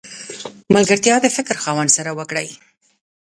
ملګرتیا د فکر خاوندانو سره وکړئ!